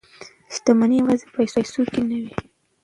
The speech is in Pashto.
شتمني یوازې په پیسو کې نه ده.